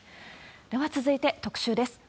では続いて特集です。